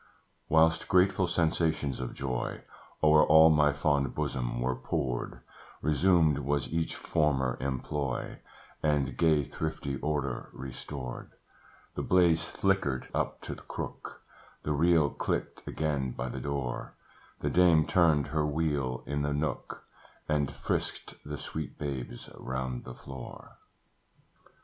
Whilst grateful sensations of joy O'er all my fond bosom were poured, Resumed was each former employ, And gay thrifty order restored: The blaze flickered up to the crook, The reel clicked again by the door, The dame turned her wheel in the nook, And frisked the sweet babes round the floor.